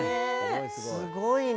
すごいな。